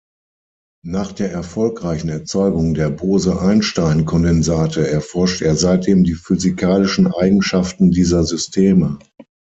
Nach der erfolgreichen Erzeugung der Bose-Einstein-Kondensate erforscht er seitdem die physikalischen Eigenschaften dieser Systeme.